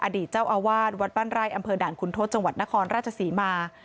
อดีตเจ้าอาวาสวัดบ้านไร่อำเภอด่านคุณทศจังหวัดนครราชศรีมา